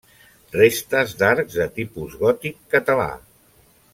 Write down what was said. Restes d'arcs de tipus gòtic català.